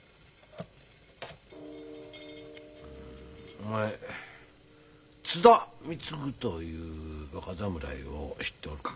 お前津田貢という若侍を知っておるか？